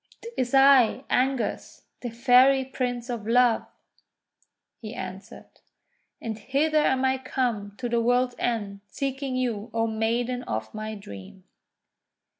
'Tis I, Angus, the Fairy Prince of Love," he answered. "And hither am I come to the world's end, seeking you, O Maiden of my dream."